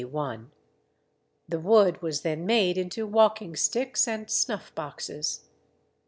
(The wood was then made into walking sticks and snuffboxes.)